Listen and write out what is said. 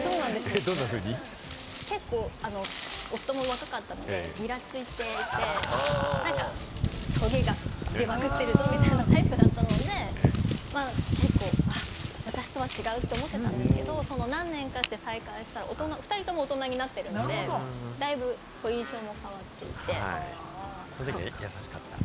結構、夫も若かったのでギラついていて、トゲが出まくってるぞみたいなタイプだったので、私とは違うと思っていたんですけれども、何年かして再会したら、２人とも大人になってるので、だいぶ印象も変わっていて、そのときは優しかった？